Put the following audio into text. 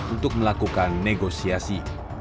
untuk melakukan negosiasi